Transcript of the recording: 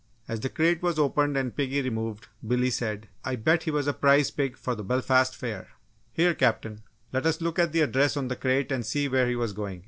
As the crate was opened and piggy removed, Billy said: "I bet he was a prize pig for the Belfast Fair." "Here, Captain, let us look at the address on the crate and see where he was going!"